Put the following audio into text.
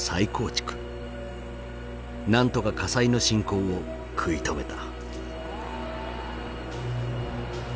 なんとか火災の進行を食い止めた。